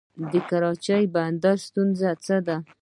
د کراچۍ بندر ستونزې څه دي؟